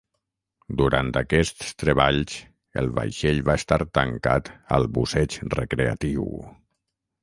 Durant aquests treballs, el vaixell va estar tancat al busseig recreatiu.